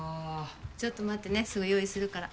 ちょっと待ってねすぐ用意するから。